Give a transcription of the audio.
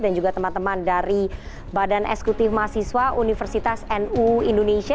dan juga teman teman dari badan eksekutif mahasiswa universitas nu indonesia